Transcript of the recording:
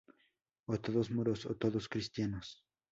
O todos moros, o todos cristianos